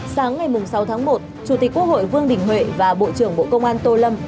sáng ngày sáu tháng một chủ tịch quốc hội vương đình huệ và bộ trưởng bộ công an tô lâm